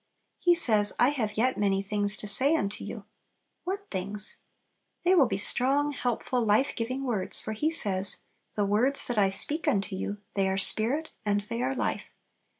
He says, "I have yet many things to say unto you." What things? They will be strong, helpful, life giving words, for He says, "The words that I speak unto you, they are spirit and they are life."